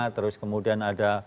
terus kemudian ada